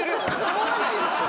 思わないでしょ！